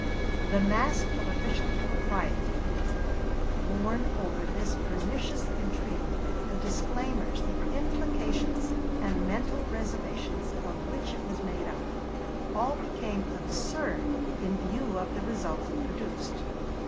The mask of official propriety worn over this pernicious intrigue, the disclaimers, the implications and mental reservations of which it was made up all became absurd in view of the results it produced.